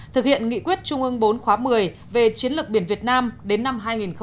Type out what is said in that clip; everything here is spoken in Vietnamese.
thực hiện nghị quyết trung ương bốn khóa một mươi về chiến lược biển việt nam đến năm hai nghìn ba mươi